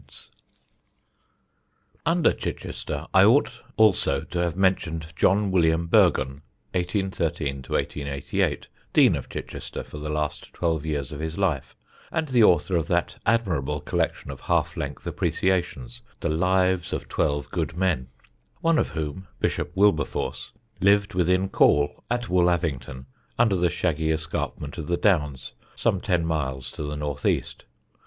[Sidenote: BISHOP WILBERFORCE] Under Chichester I ought also to have mentioned John William Burgon (1813 1888), Dean of Chichester for the last twelve years of his life and the author of that admirable collection of half length appreciations, The Lives of Twelve Good Men, one of whom, Bishop Wilberforce, lived within call at Woollavington, under the shaggy escarpment of the Downs some ten miles to the north east.